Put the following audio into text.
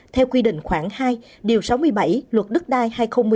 theo quy định khoảng hai sáu mươi bảy luật đất đai hai nghìn một mươi ba